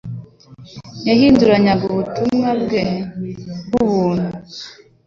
Yahinduranyaga ubutumwa bwe bw'ubuntu